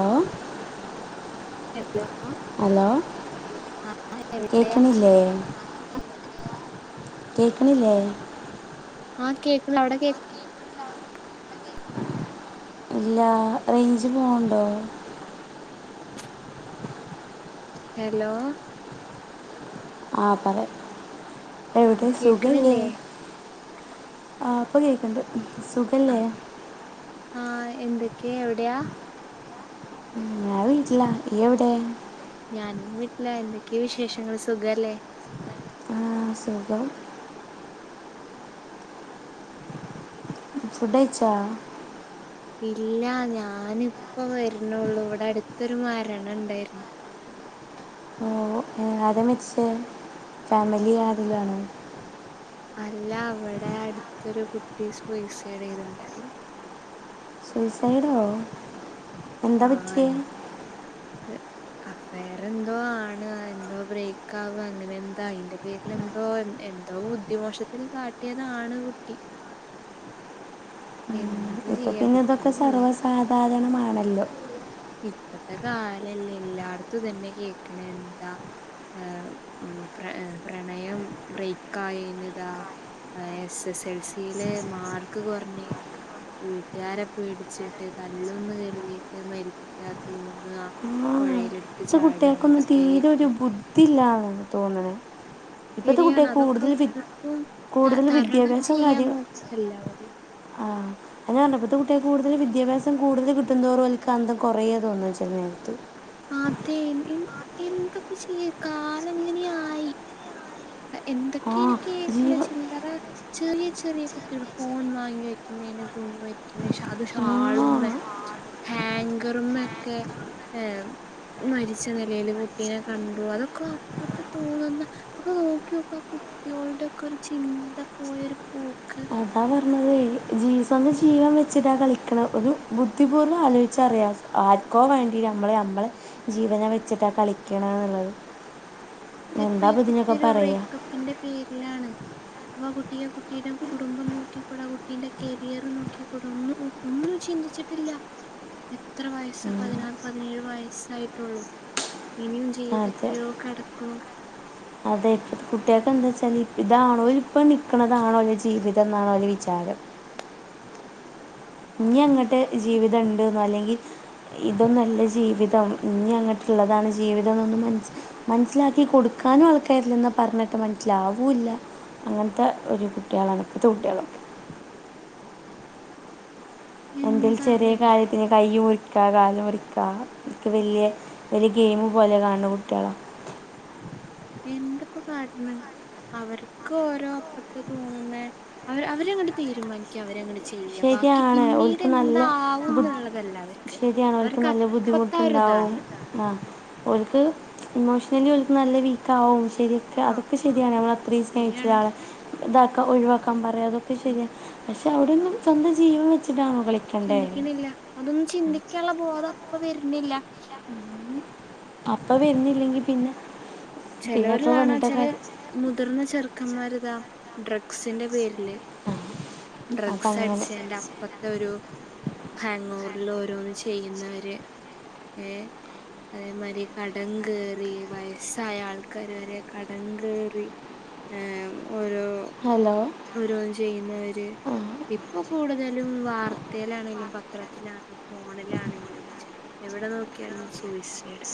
ഓ hello hello ആ എവിടെയാ കേക്ക്ണില്ലേ? കേക്ക്ണില്ലേ? കേക്ക്ല്ലഅവിടെ കേക്ക് ഇല്ല റേഞ്ച് പോവ്ണ്ടോ? ഹലോ ആ പറ ആ എവിടെ സുഖല്ലേ? കേക്കണില്ലേ ആ ഇപ്പൊ കേക്കണ്ട് സുഖല്ലേ എന്തൊക്കെ എവിടെ ഉം, ഞാൻ വീട്ടിലാ ഇയ്യ് എവിടെ ഞാനും വീട്ടിലാ എന്തൊക്കെ വിശേഷങ്ങള് സുഖല്ലേ ആ സുഖം ഫുഡ്‌ കയിച്ചോ ഇല്ല ഞാനിപ്പ വരുണുനുള്ളൂ ഇവിടെ അടുത്തൊരു മരണം ഉണ്ടായിരുന്നു ഓ ആരാ മരിച്ചേ ഫാമിലി ആരെലുംയാണോ അല്ല ഇവിടെ അടുത്തൊരു കുട്ടി സൂയിസൈഡ് ചെയ്തുണ്ടായി സൂസൈഡോ എന്താ പറ്റിയെ ഏഹ് [unintelligible] അഫയർ എന്തോ ആണ് എന്തോ ബ്രേക്ക് ആവ്ക അങ്ങനെ എന്താ അയിന്റെ പേരില എന്തോ- എന്തൊ ബുദ്ധിമോശത്തിൽ കാട്ടിയതാണ് കുട്ടി എന്ത- ഇപ്പം പിന്നെ ഇതൊക്കെ സർവ്വസാധാരണമാണല്ലോ ഇപ്പത്തെ കാലല്ലേ എല്ലാട്ത്തും ഇതന്നെ കേക്കണ് എന്താ ആ പ്ര പ്രണയം ബ്രേക്ക് ആയെന്റെ ഇതാ ആ എസ് എസ് എൽ സയില് മാർക്ക് കൊറഞ്ഞെ വീട്ടുകാരെ പേടിച്ചിട്ട് തല്ലൊന്ന് കരുതിട്ട് മരിക്ക- തൂങ്ങുക പൊഴയില് എടു- ഇപ്പോത്തെ കുട്ടികക്കൊന്നും തീരെ ഒരു ബുദ്ധി ഇല്ലാന്ന് തോന്നണ് ശരിയാണ് അതൊക്കെന്നിട്ടും ത കൂടുതൽ തരണം ചെയ്യാൻ നോക്കുവാ എല്ലാവരും ആഹ് ഇപ്പോഴത്തെ പറഞ്ഞപ്പോത്തെ കുട്ടിയെ അതപറഞ്ഞെ ഇപ്പൊത്ത കുട്ടികൾക്ക് കൂടുതൽ വിദ്യാഭ്യാംസം കൂടുതൽ കിട്ടുന്നതോറും ഓര്ക്ക് അന്തം കുറയേ തോന്നുന്നു ചെല നേരത്ത് അതെ എ എന്തപ്പ ചെയ്യ കാല് ഇങ്ങനെയായി ആ എന്തൊക്കെ അയിന് കേക്കണേ ജീവ ചില്ലറ ചെറിയ ചെറിയ കുട്ടികൾ ഫോൺ വാങ്ങി വെക്കുക തൂങ്ങി വെക്കുന്നെ അതും ആ ഷാള്ളുമ്മേ ഹാങ്കറുംമൊക്കെ ഏഹ് മരിച്ച നിലയില് കുട്ടീനേ കണ്ടു അതൊക്കെ അപ്പത്ത തോന്നുന്ന അപ്പൊ നോക്കിയോക്കാ കുട്ടിയോൾടൊക്കെ ഒക്കെ ഒരു ചിന്ത പോയൊരു പോക്ക് അതാ പർഞ്ഞതെയ് ജീവ സ്വന്തം ജീവൻ വെച്ചിട്ടാ കളിക്ക്ണെ ഒരു ബുദ്ധിപൂർവ്വം ആലോചിച്ച അറിയാ ആർക്കോ വേണ്ടി നമ്മള് നമ്മളെ ജീവനെ വെച്ചിട്ടാ കളിക്ക്ണെന്നുള്ളത് ഇതിപ്പ ഈ കുട്ടിയൊരു പറയുക ബ്രേക്കപ്പിന്റെ പേരിലാണ് ന്നാ കുട്ടിയെ കുട്ടിയുടെ കുടുംബം നോക്കിക്കൂടാ കുട്ടീന്റെ കരിയർ നോക്കിക്കൂടെ ഒന്ന് നോ ഒന്ന് ഒന്നും ചിന്തിച്ചിട്ടില്ല എത്ര വയസ്സാ പതിനാറ് പതിനേഴ് വയസ്സായിട്ടുള്ളൂ ഇനിയും ജീവിതം അതെ എത്രയോ കടക്ക്ണോ അതെ ഇപ്പത്തെ കുട്ടികൾക്കെന്താ വച്ചാല് ഇതാണോ ഓര് ഇപ്പ നിക്ക്ണതാണോ ജീവിതം ക്കുന്നതാണോ ജീവിതം എന്നാണോ ഓരെ വിചാരം ഇഞ്ഞി എ അങ്ങട്ട് ജീവിതം ഇണ്ട്ന്നോ അല്ലെങ്കി ഇതൊന്നുഅല്ല ജീവിതം ഇനി അങ്ങോട്ടുള്ളതാണ് ജീവിതം എന്നൊന്ന് മ മനസ്സിലാക്കി കൊടു ക്കാനും ആൾക്കാരില്ലാന്നാ പർഞ്ഞാട്ടാ മനസ്സിലാവൂല്ല അങ്ങൻത്തെ ഒരു കുട്ട്യാളാണ് ഇപ്പത്തെ കുട്ട്യാള് എന്തേലും ചെറിയ എന്താല്ലേ കാര്യത്തിന് കയ്യ് മുറി ക്കാ കാല് മുറിക്കാ എനിക്ക് വല്ല്യ ഒരു ഗെയിമ് പോലെ കാൺണ്ണ് കുട്ട്യാളെ എന്തപ്പോ കാട്ട്ണ് അവർക്ക് ഓരോപ്പത്ത് തോന്നുന്നെ അവര് അവരങ്ങണ്ട് തീരുമാനിക്യ അവരങ്ങണ്ട് ചെയ്യാ ബാക്കി ശരിയാണ് ഓൽക്ക് നല്ല ബുദ്ധി പിന്നീടെന്താവുന്നുുള്ളതല്ല അവർക്ക് അവർക്ക് അപ്പത്ത ഒരു ആവും ആഹ് ഓര്ക്ക് ഇമോഷലി നല്ല വീക്കാവും ശരിക്കാ ആ അതൊക്കെ ശരിയാണ് നമ്മള് അത്രയും ശരിയാണ് സ്നേഹിച്ചൊരാളെ ഇതാക്ക ഒഴിവാക്കാൻ പർ ആ അതൊക്കെ ശരിയാണ് പക്ഷേ അവിടെയൊന്ന് സ്വന്തം ജീവം വെച്ചിട്ടാണോ കളിക്കണ്ടേ ചിന്തിക്കുന്നില്ല അതൊന്നും ചിന്തിക്കാനുള്ള ബോധ അപ്പൊ വരുന്നില്ല അപ്പ വരുന്നില്ലെങ്കി പിന്നെ പിന്നെ ചിലവര് ഇപ്പം വന്നിട്ട് കാണാചാല് കാര്യം മുതിർന്ന ചെറ് ക്കമാരുതാ ഡ്രഗ്സിന്റെ പേരില് ആ അതങ്ങനെ ഡ്രഗ്സ് അടിച്ച് ആയിന്റെ അപ്പത്തെ ഒരു ഹാങ്ങോവാറിൽ ഓരോന്ന് ചെയ്യുന്നവര് ഏഹ് അതേമാരി കടം കെറി വയ സായ ആൾക്കാര് വരെ കടം കെറി ഏഹ് ഓരോ ഹലോ ഓരോന്ന് ചെയ്യുന്നവര് ആ ഇപ്പൊ കൂടുതലും വാർത്തയിലാണെലും പത്രത്തിലാണെിലും ഫോണിലാണെങ്കിലും എവിടെ നോ ക്കിയാലും സൂയിസൈഡ്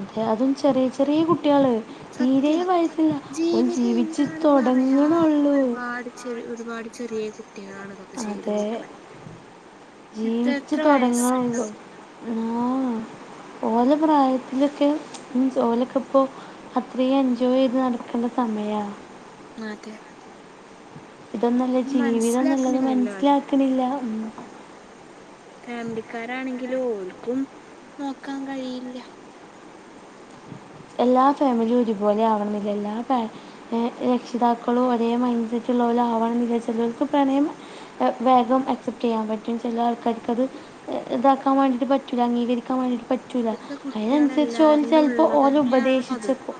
അതെ അതും ചെറിയ ചെറിയ കു കുട്ടികള് തീരെ സത്യം വയസില്ല ഓൻ ജീവിതം ജീവിച്ചു എന്താണെന്ന് അറിയാത്ത തുടങ്ങണുള്ളൂ ഒരുപാട് ചെറി ഒരുപാട് ചെറിയ കുട്ടികളാണ് ഇതൊക്കെ ചെയ്ത് കൂട്ടണെ. എത്ര ജീവിച്ചു എത്ര തുടങ്ങള്ളൂ വയസ്സുണ്ടാവും ആഹ് ഓല് പ്രായത്തിലൊക്കെ മീൻസ്‌ ഓലൊക്കെ ഇപ്പോ അത്രയും എൻജോയ് ചെയ്ത് നടക്കണ്ട സമയ. അതെ ഇതൊന്നല്ല ജീവിതം നല്ലത് മനസ്സിലാക്കണില്ലല്ലോ ആരും മനസ്സിലാക്കണില്ല ഒന്നും ഫാമിലിക്കാരാണെങ്കിലു ഓൽക്കും നോക്കാൻ കഴിയില്ല എല്ലാ ഫാമിലിയും ഒരുപോലെ ആവണനില്ലാല്ല എല്ലാ ഫാ ഏഹ് ഏഹ് രക്ഷിതാക്കളും ഒരേ മൈൻഡ് സെറ്റ് ഇള്ളോര് ആവ വിചാരിച്ച ഇവർക്ക് പ്രണയം വേഗം ആക്സെപ്റ്റ് ചെയ്യാൻ പറ്റും ചില ആൾക്കാർക്ക് അത് ഇതാക്കാൻ വേണ്ടിയിട്ട് പറ്റൂല അംഗീകരിക്കാൻ വേണ്ടിട്ട് പറ്റൂല്ല ഇപ്പത്തെ അയി ആനുസരിച്ച് ഓന് കുട്ടികളെല്ലാരിലും ചെപ്പോ ഓനെ ഉള്ളതന്നെയാണല്ലോ അത് ഉപദേശിച്ചപ്പൊ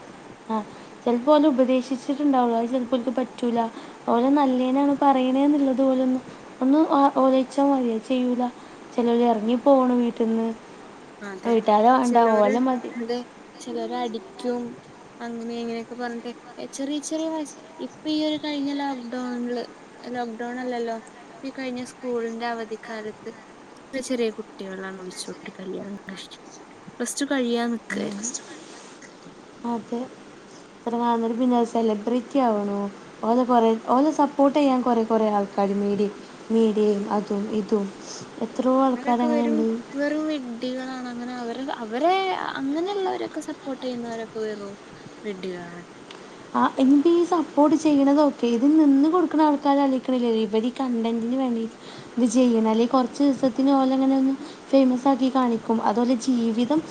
ആഹ് ചെലാപ്പോ ഓനെ ഉപദേശിച്ചിട്ടുണ്ടാവുള്ളു അത് ചിലപ്പോൾക്ക് പറ്റൂല ഓനെ നല്ലേനാണ് പറയണേ ഉള്ളത് ഒല്ന്നു ഒന്ന് ഓ ഓലിച്ചാ മതിയ ചെയ്യൂല ചെലര് എറങ്ങി പോണ് വീട്ടിന്ന് അതെ വീട്ടാരെ വേണ്ടാ ഓലെ മതി ചെലരടിക്കും അങ്ങനെ ഇങ്ങനെയൊക്കെ പറഞ്ഞിട്ട് ചെറിയ ചെറിയ വയസ്സ് ഇപ്പൊ ഈ ഒരു കഴിഞ്ഞ ലോക്ക്ഡൗണില് ലോക്ക്ഡൗൺ അല്ലല്ലോ ഇപ്പ ഈ കഴിഞ്ഞ സ്കൂളിന്റെ അവധിക്കാലത്ത് [unintelligible] ചെറിയ കുട്ടികളാണ് ഒളിച്ചോട്ടി കല്യാണം കഴിച്ച് പ്ലസ്ടു കഴിയാൻ നിക്കായിരുന്നു അതെ [unintelligible] സെലിബ്രിറ്റി ആവുണു ഓലെ കൊറെ ഓലെ സപ്പോർട്ട് ചെയ്യാൻ കൊറെ കൊറേ ആൾ [unintelligible] മീടിയയും അതും ഇതും എത്രയോ അവരൊക്കെ ആൾക്കാരങ്ങനെ വെരും ഉണ്ട് വെറും വിഢികളാണ് അങ്ങനെ അവര് അവരെ അങ്ങനെയുള്ളവരൊക്കെ സപ്പോർട്ട് ചെയ്യുന്നവരൊക്കെ വെറും വിഢികളാണ് ആഹ് എനിപ്പോ ഈ സപ്പോർട്ട് ചെയ്യണത് ഓക്കെ ഇതിന് നിന്ന് കൊടുക്കണ ആൾക്കാര് ആലോചിക്കണില്ലല്ലോ ഇവര് കണ്ടന്റിന് വേണ്ടി ഇത് ചെയ്യണെ അല്ലെ കൊറച്ചു ദിവസത്തിന് ഓലങ്ങനെ ഒന്ന് ഫേമസ് ആക്കി കാണിക്കും അതോലെ ജീവിതം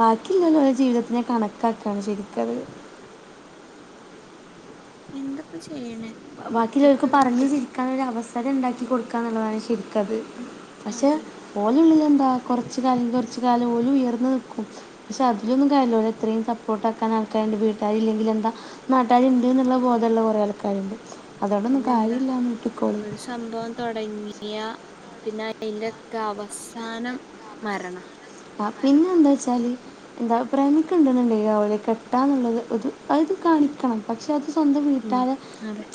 ബാക്കിയിള്ളോല് ഓലെ ജീവിതത്തിനെ കണക്കാക്കയാണ് ശരിക്കവര് എന്തപ്പ ചെയ്യണേ ബ ബാക്കി ഇപ്പത്തെ ഇള്ളവർക്ക് ഒരു പറഞ്ഞ് ഇത് ചിരിക്കാനൊരു അവസരം ഇണ്ടാക്കി കൊടുക്കാ എന്നുള്ളതാണ് ശരിക്കത് പക്ഷെ അതെ ഓലെ ഉള്ളിലെന്താ കൊറച്ച് കാലം കൊറച്ച് കാലം ഓല് ഉയർന്ന് നിൽക്കും പക്ഷെ അതിലൊന്നും കാര്യല്ല ഓലെ എത്രയും സപ്പോർട്ട് ആാക്കാൻ ആൾക്കാ [unintelligible] വീട്ടുകാര് ഇല്ലെങ്കിൽ എന്താ നാട്ടാര് ഇണ്ട് എന്നുള്ള ബോധള്ള കുറേ ആൾക്കാരുണ്ട് അതുകൊണ്ടൊന്നും പിന്നെന്താ കാര്യമില്ല എന്ന് വിട്ടുക്കോളി ഒരു സംഭവം തൊടങ്ങി [unintelligible] പിന്നെ അയിന്റെ ഒക്കെ അവസാനം മരണാ ആഹ് പിന്നെ എന്താച്ചാല് എന്താഭിപ്രായന്നൊക്കെ [unintelligible] കെട്ടാ എന്നുള്ളത് അത് കാണിക്കണം പക്ഷെ അത് സ്വന്തം ഉം വീട്ടുകാര് അതെ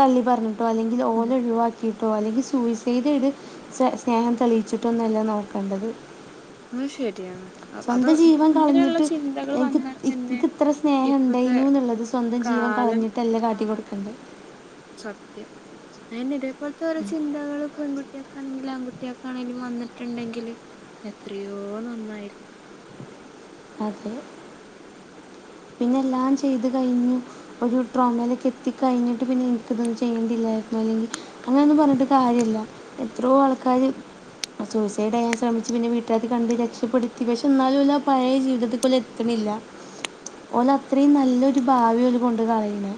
തള്ളി പറഞ്ഞിട്ടോ അല്ലെങ്കിൽ ഓല അതെ ഒഴിവാക്കിയിട്ടോ- ട്ടോ അല്ലെങ്കിൽ സൂയിസൈഡ് ഇ് സ് സ്നേഹം തെളിയിച്ചിട്ടോ ഒന്നുംല്ല നോക്കേണ്ടത് ആ ശരിയാണ് അത് സ്വന്തം ജീവൻ ഇങ്ങനെയുള്ള കളഞ്ഞിട്ട് ചിന്തകൾ വന്നാൽ തന്നെ ഇത്ര സ്നേഹം ഇപ്പത്തെ ഉണ്ടായിനു എന്നുള്ളത് സ്വന്തം ജീവൻ- കാലം കളഞ്ഞിട്ട്ല്ലാം കാട്ടി കൊടുക്കണ്ടണ്ട് ഇതേപലത്തെ ഓരോ ചിന്തകളും- പെൺകുട്ടിയൊക്കൊണെങ്കിൽ ആൺകുട്ടിയൊക്കാണെങ്കിലും വന്നിട്ടുണ്ടെങ്കില്- എത്രയോ നന്നായിരുന്നു അതെ പിന്നെ എല്ലാം ചെയ്ത് കഴിഞ്ഞു ഒരു ഡട്രോമയിലേക്ക് എത്തി കഴിഞ്ഞിട്ട് പിന്നെ എനിക്കതൊന്നും ചെയ്യേണ്ടില്ല അല്ലെങ്ക അങ്ങനെൊന്നും പറഞ്ഞിട്ട് കാര്യല്ല എത്രോ ആൾക്കാര് സൂസൈഡ് അറാൻ ശ്രമിച്ചു പിന്നെ വീട്ടകത്ത് കണ്ട് രക്ഷപ്പെടുത്തി പക്ഷെ എന്നാലുംല്ല പഴയ ജീവിതത്തിൽ എത്ര- ഇല്ല [inaudible] ഓല അത്രയും നല്ലൊരു ഭാവി ഓല് കൊണ്ട് പറയണ്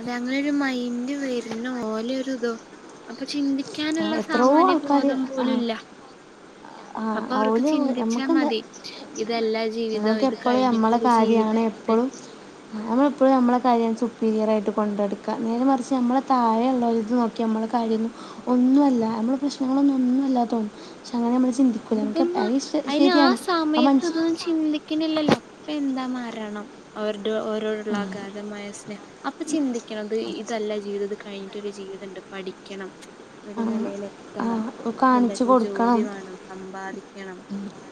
അതെ അങ്ങനെരു മൈന്ഡ് വരുന്ന പോലെരു ഇതോ അപ്പൊ ചിന്തിക്ക- വക്കാനുള്ള എത്രയോ സാമാന്യ ആൾക്കാർ ബോധം പോലുംല്ല അപ്പൊ അവർക്ക് ഓല് ചിന്തിച്ചാ നമുക്കെന്താ മതി ഇതെല്ലാ ജീവിതവും നമുക്ക് ഇത് എപ്പോഴും നമ്മളെ കഴിഞ്ഞിട്ടരു കാര്യമാണ് ജീവിതംണ്ട് എപ്പോഴും നമ്മളെപ്പോഴും നമ്മെ കയ- ക്ലിയരായിട്ട് കൊണ്ടടുക്കുക നേരെ മറിച്ച് നമ്മളെ താഴെ ഉള്ളരിത് നോക്കി നമ്മുടെ കാര്യ- ഒന്നുമല്ല നമ്മുടെ പ്രശ്നങ്ങളൊന്നും ഒന്നുമല്ല തോന്നും പക്ഷെ അങ്ങനെ നമ്മ- ഇതൊന്ന അയിന് ആ അത് സമയത്ത് മനസ്സി ഇതൊന്നും ചിന്തിക്കുന്നില്ലല്ലോ അപ്പ എന്താ മാറണം അവർ ഓരോരുള്ള അഗാതമായ സ്നഹം അപ്പൊ ചിന്തിക്കണം അത് ഇതല്ല ജീവിത കഴി- മറ്റൊരു ജീവിതം ഉണ്ട് പഠിക്കണം ഒരു നിലൽെക്കണം കാണിച്ചു സ്വന്തമായിട്ട ഒരു ജോലി കൊടുക്കണം വേണം സമ്പാദിക്കണം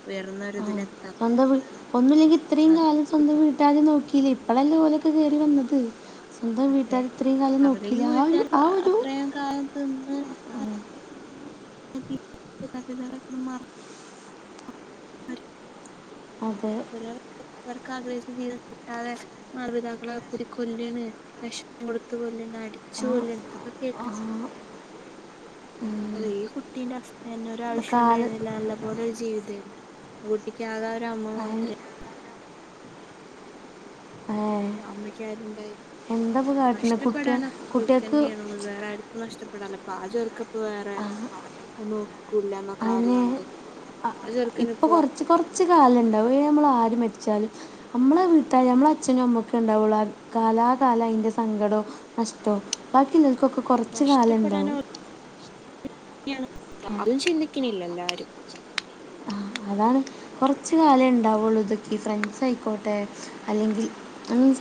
ഉയർന്നൊരി ഇതിലെത്താം ഒന്നുമില്ലെങ്കി ഇത്രയും കാലം സ്വന്തം വീട്ടാരും നോക്കിയില്ലേ ഇപ്പഴല്ലേ പോലെയൊക്കെ കയറി വന്നത് സ്വന്തം അതെ വീട്ടുകാര ഇത്രയും കാലം നോക്കില്ല അവരേക്കും ആ ഒരു വീട്ടുകാർ ആ ഒരു- അത്രയും കാലം തക്ക മാറ [unintelligible] അ അത് വർക്ക ആ്രെ [unintelligible] കിട്ടാതെ മാതപിതാക്കളെ കുതി കൊല്ലണ് വിഷം കൊടുത്തു കൊല്ല- അടിച്ചു ആ പോല എന്തൊക്കെ കേക്കാം അത ആ ഈ കുട്ടീന്റെ അവസ്ഥ തന്നെ ഒരു ഇപ്പം ആവശ്യം കാല ഉണ്ടായിരുന്നില്ല നല്ലപോലെ ഒരു ജീവിതമായിരുന്നു കുട്ടിക്ക ആകെ ഒരു അമ്മ മാ [unintelligible] ഉ ആമ്മളിക്ക ആരുണ്ടായി എന്താ ഇപ്പോൾ കാട്ടുന്നത് കുട്ടിയ നഷ്ടപ്പെടാനൊക്കെ കുട്ടികൾക്ക് വേറെ ആർക്കും നഷ്ടപ്പെടല്ലോ അതോക്ക് ഇപ്പൊ വേറെ നോക്കൂല്ല എന്നൊക്കെ ആര് കണ്ടു ആ ചെറുക്കന് ഇപ്പൊ ഇപ്പോ കൊറച്ച് കൊറച്ച് കാര്യംണ്ടാവും നമ്മൾ ആര് മരിച്ചാലും നമ്മളെ വീട്ട നമ്മളെ അച്ഛനും അമ്മക്ക ഉണ്ടാവുള്ളൂ കാലാകാലം അതിറെ സങ്കടവും നഷ്ടോ- ബാക്കിുള്ളക്കൊക്കെ കൊറച്ച കാലം നഷ്ടപ്പെടാൻ എണ്ടാവും അതും ചിന്തിക്കണില്ല എല്ലാരും ആ അതാണ് കുറച്ച കാലം ഉണ്ടാവുള്ളൂ ഇതൊക്കെ ഫ്രണ്ട്സ് ആയിക്കോട്ടെ അല്ലെങ്കിൽ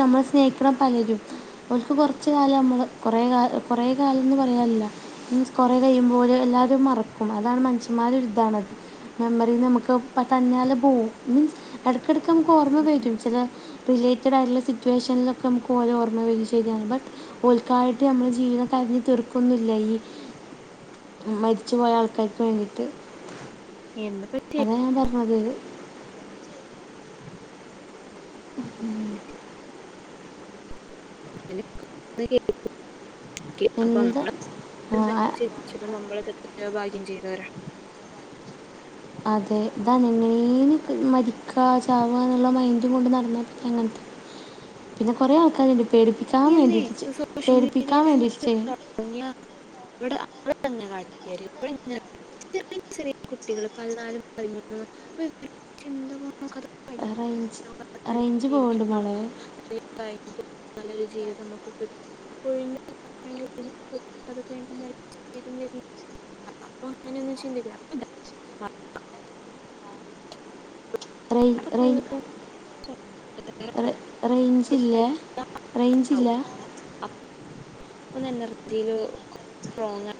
നമ്മള് സ്നേഹിക്കണം പലരും അവർക്ക് കുറച്ച കാലം നമ്മള് കൊറ കുറേ കാലംന്ന് പറയാനില്ല കൊറെ കഴിയുമ്പോലെ എല്ലാവരും മറക്കും അതാണ് മനുഷ്യന്മാരതാണത് മെമ്മറി നമുക്ക്- ഇപ്പൊ തന്നെ പോകും മീൻസ് ഇടക്കിടക്ക് നമുക്ക് ഓർമ്മ കറ്റും ചില റിലേറ്റഡ് ആള്ള സിറ്റുവേഷനിലൊക്കെ നമുക്ക് ഓലെ ഓർമ്മ വ ശരിയാണ് ബട്ട് ഒൾക്കായിട്ട് നമ്മുടെ ജീവിതം കരിഞ്ഞ് തീർക്കുന്നില്ല ഈ [inaudible] മരിച്ചു പോയ ആൾക്കാർക്ക് വേണ്ടിട്ട് എന്താ അതാ പറ്റിയെ ഞാൻ പറഞ്ഞത് ഉം [unintelligible] എന്താ [unintelligible] നിങ്ങള് ഭാഗ്യം ചെയ്തവരാ അതെ ഇതാ എങ്ങനെലും മരിക്കാ ചാവാന്നുള്ള മൈൻഡും കൊണ്ട് നടന്നാ പിന്നെ എങ്ങനെ പിന്നെ കൊറേ ആൾക്കാരുണ്ട് പേടിപ്പിക്കാൻ എന്നേ വേണ്ടിട്ട് ചെയ്യാ സോഷ്യൽ പേടിപ്പിക്കാൻ മീഡിയയിൽ വേണ്ടിട്ട അങ്ങനെ ചെയ്യാ തുടങ്ങിയ [unintelligible] ചെറിയ ചെറിയ കുട്ടികള് പതിനാലും പതിമൂന്നും അപ്പൊ ചിന്ത [unintelligible] റേഞ്ച് റേഞ്ച് പോകുന്നുണ്ട് മോളെ നല്ലൊരു ജീവിതം നമുക്ക് കിട്ട [unintelligible] [unintelligible] അപ്പൊ അങ്ങനെയൊന്നും ചിന്തിക്ക [unintelligible] റയ് [unintelligible] [unintelligible] റേഞ്ചിലെ റേഞ്ച്ല്ല ഒന്ന് എനർജിയില് സ്ട്രോങ്ങ്‌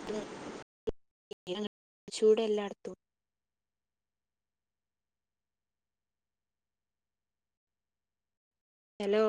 - [unintelligible] ചൂടാ എല്ലായിടത്തും ഹലോ